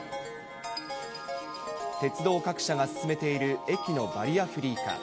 鉄道各社が進めている駅のバリアフリー化。